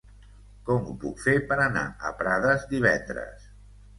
Com ho puc fer per anar a Prades divendres?